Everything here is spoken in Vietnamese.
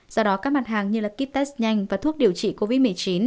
do đó các mặt hàng như ký test nhanh và thuốc điều trị covid một mươi chín